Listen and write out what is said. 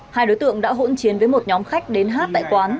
hai đối tượng đã hỗn chiến với một nhóm khách đến hát tại quán